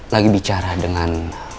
lagi bicara dengan